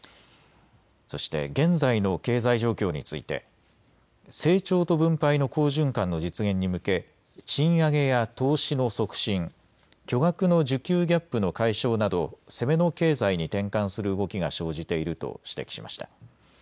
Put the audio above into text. そして現在の経済状況について成長と分配の好循環の実現に向け賃上げや投資の促進、巨額の需給ギャップの解消など攻めの経済に転換する動きが生じていると指摘しました。